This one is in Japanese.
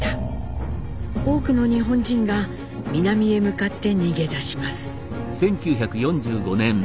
多くの日本人が南へ向かって逃げ出します。